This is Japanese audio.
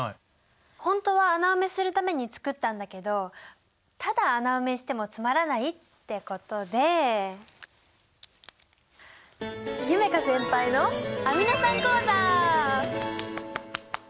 本当は穴埋めするために作ったんだけどただ穴埋めしてもつまらないってことでアミノ酸講座？